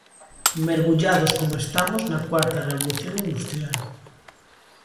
Mergullados como estamos na Cuarta Revolución Industrial.